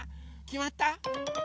きまった？